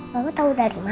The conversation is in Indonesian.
mama tau dari mana